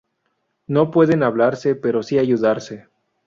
No pueden hablarse pero sí ayudarse.